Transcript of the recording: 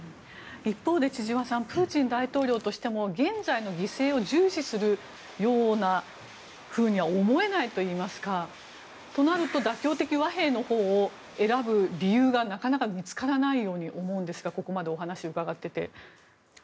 一方で千々和さんプーチン大統領としても現在の犠牲を重視するようなふうには思えないといいますかとなると妥協的和平のほうを選ぶ理由がなかなか見つからないように思うんですがここまで、お話を伺っていて。